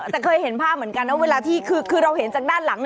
แต่เคยเห็นภาพเหมือนกันนะเวลาที่คือเราเห็นจากด้านหลัง